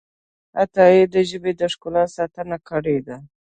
عطايي د ژبې د ښکلا ساتنه کړې ده.